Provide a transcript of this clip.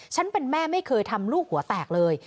ฉันเป็นแม่ไม่เคยทำลูกหัวแตกเลย